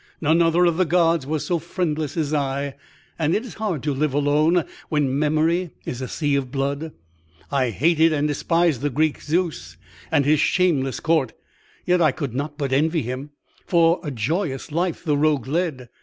None other of the gods was so friendless as I; and it is hard to live alone when memory is a sea of blood. I hated and despised the Greek Zeus and his shameless court; yet I could not but envy him, for a joyous life the rogue led.